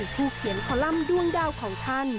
ผู้เขียนคอลัมป์ด้วงดาวของท่าน